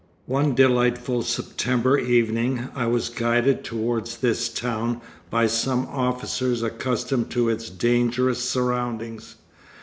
One delightful September evening I was guided towards this town by some officers accustomed to its dangerous surroundings.